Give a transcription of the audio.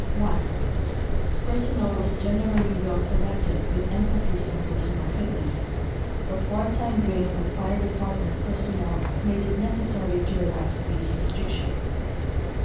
(1) Personnel was generally well selected with emphasis on personal fitness, but wartime drain on fire department personnel made it nec essary to relax these restrictions.